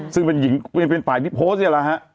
ซึ่งเป็นหญิงเป็นฝ่ายที่โพสต์นี่แหละฮะ